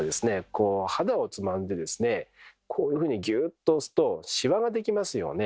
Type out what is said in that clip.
こう肌をつまんでですねこういうふうにギューッと押すとしわができますよね。